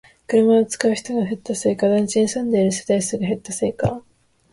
車を使う人が減ったせいか、団地に住んでいる世帯数が減ったせいか